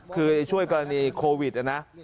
คือช่วยกรณีโควิดนะนะ